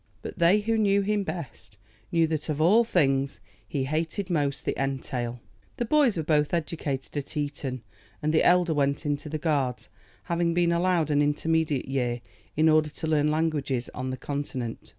But they who knew him best knew that of all things he hated most the entail. The boys were both educated at Eton, and the elder went into the Guards, having been allowed an intermediate year in order to learn languages on the Continent.